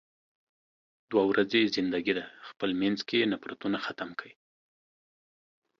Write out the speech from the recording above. دوه ورځې زندګی ده، خپل مينځ کې نفرتونه ختم کې.